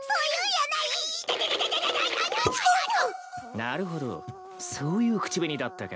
なるほどそういう口紅だったか。